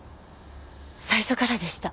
最初からでした。